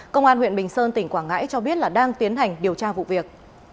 công an huyện bình sơn tỉnh quảng ngãi cho biết là đang tiến hành điều tra vụ việc